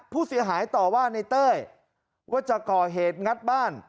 ผู้เสียหายต่อว่าในเต้ยว่าจะก่อเหตุงัดบ้าน